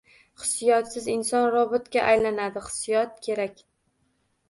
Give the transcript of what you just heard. Hissiyotsiz inson robotga aylanadi – hissiyot kerak.